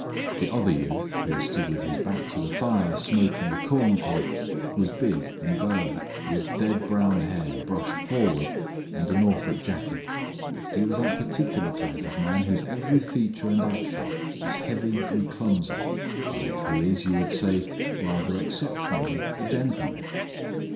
The other youth, who stood with his back to the fire smoking a corncob, was big and burly, with dead brown hair brushed forward and a Norfolk jacket. He was that particular type of man whose every feature and action is heavy and clumsy, and yet who is, you would say, rather exceptionally a gentleman.